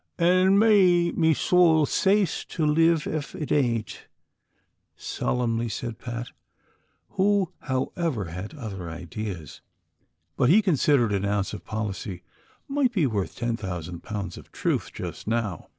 " An' may me sowl sace to liv ef it aint," solemnly said Pat, who however had other ideas, but he considered au ounce of policy might be worth ten thousand pounds of truth, just now.